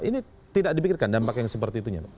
ini tidak dipikirkan dampak yang seperti itunya